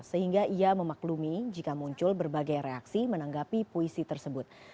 sehingga ia memaklumi jika muncul berbagai reaksi menanggapi puisi tersebut